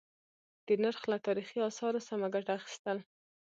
د نرخ له تاريخي آثارو سمه گټه اخيستل: